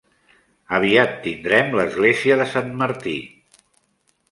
Aviat tindrem l'església de Sant Martí.